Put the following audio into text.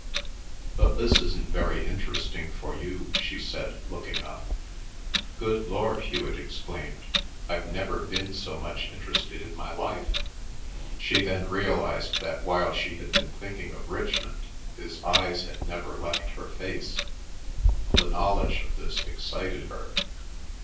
"But this isn't very interesting for you," she said, looking up. "Good Lord!" Hewet exclaimed. "I've never been so much interested in my life." She then realised that while she had been thinking of Richmond, his eyes had never left her face. The knowledge of this excited her.